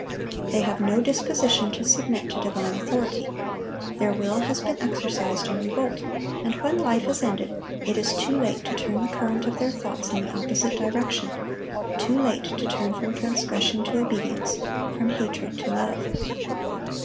They have no disposition to submit to divine authority. Their will has been exercised in revolt; and when life is ended, it is too late to turn the current of their thoughts in the opposite direction, too late to turn from transgression to obedience, from hatred to love.